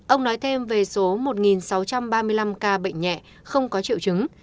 ông nói thêm về số một sáu trăm ba mươi năm ca bệnh nhẹ không có triệu chứng